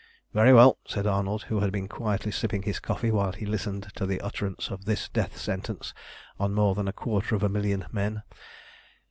"Very well," said Arnold, who had been quietly sipping his coffee while he listened to the utterance of this death sentence on more than a quarter of a million of men.